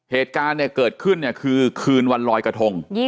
เหตุการณ์เนี่ยเกิดขึ้นเนี่ยคือคืนวันลอยกระทง